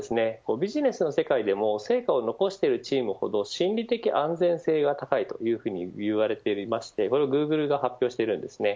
ビジネスの世界でも成果を残しているチームほど心理的安全性が高いというふうに言われていましてこれをグーグルが発表しているんですね。